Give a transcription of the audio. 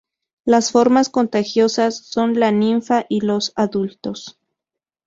Las formas contagiosas son la ninfa y los adultos.